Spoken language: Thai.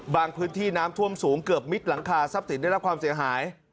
พื้นที่น้ำท่วมสูงเกือบมิดหลังคาทรัพย์สินได้รับความเสียหาย